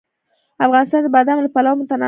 افغانستان د بادام له پلوه متنوع دی.